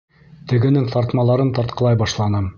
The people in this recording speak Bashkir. Тегенең тартмаларын тартҡылай башланым.